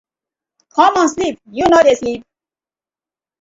Common sleep yu no dey sleep.